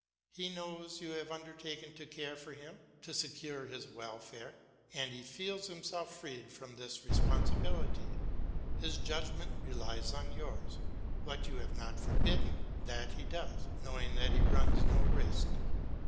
He knows you have undertaken to take care of him, to secure his welfare, and he feels himself freed from this responsibility. His judgment relies on yours; what you have not forbidden that he does, knowing that he runs no risk.